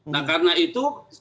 nah karena itu